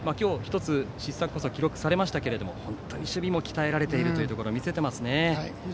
今日、１つ失策こそ記録されましたが、本当に守備も鍛えられているというところも見せていますね。